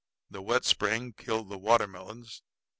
The wet spring killed the watermelons.